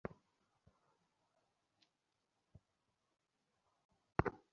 তার মানসিক অবস্থা?